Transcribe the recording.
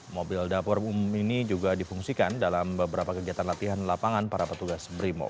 mobil dapur umum ini juga difungsikan dalam beberapa kegiatan latihan lapangan para petugas brimo